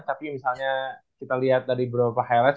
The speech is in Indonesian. tapi misalnya kita lihat dari beberapa highlight